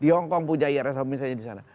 di hongkong punya irs ham misalnya di sana